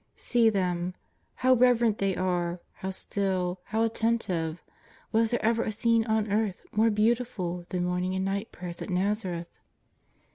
See them — how reverent they are, how still, how atten tive. Was there ever a scene on earth more beautiful than morning and night prayers at JSTazareth!